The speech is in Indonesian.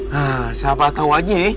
hah siapa tau aja